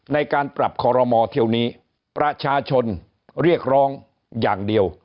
ในการปรับคอรมอเที่ยวนี้ประชาชนเรียกร้องอย่างเดียว